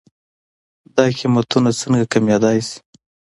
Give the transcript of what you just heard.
دا قيمتونه څنکه کمېدلی شي؟